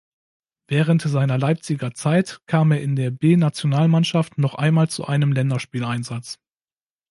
Während seiner Leipziger Zeit kam er in der B-Nationalmannschaft noch einmal zu einem Länderspieleinsatz.